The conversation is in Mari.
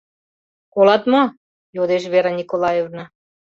— Колат мо? — йодеш Вера Николаевна.